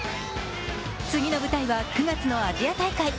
次の舞台は９月のアジア大会。